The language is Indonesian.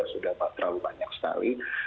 sudah terlalu banyak sekali